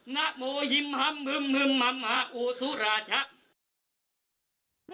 น่าโมยิมหัมมึงมึงมัมหาอุสุราชะ